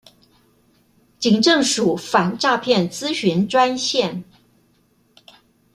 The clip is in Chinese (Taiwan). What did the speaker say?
警政署反詐騙諮詢專線